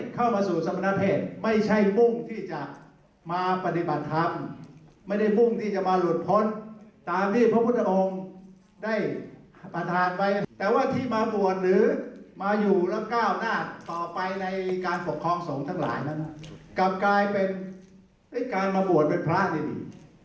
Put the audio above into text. การคลองสงฆ์ทั้งหลายกลับกลายเป็นการมาบวชเป็นพระได้ดี